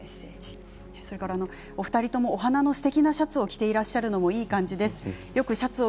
それからお二人ともお花のすてきなシャツを着ているのもいい感じです。